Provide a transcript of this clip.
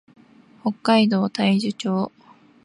北海道大樹町